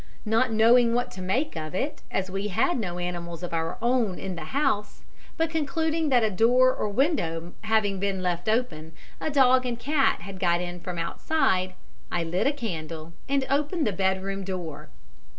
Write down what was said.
"Not knowing what to make of it, as we had no animals of our own in the house, but concluding that a door or window having been left open, a dog and cat had got in from outside, I lit a candle, and opened the bedroom door.